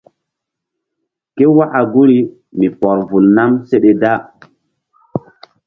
Ké waka guri mi pɔr vul nam seɗe da.